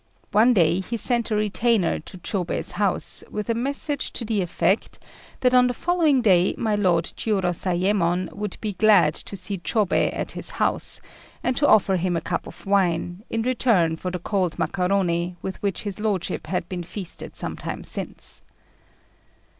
One day he sent a retainer to Chôbei's house with a message to the effect that on the following day my lord Jiurozayémon would be glad to see Chôbei at his house, and to offer him a cup of wine, in return for the cold macaroni with which his lordship had been feasted some time since.